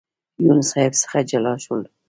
یون صاحب څخه جلا شولو.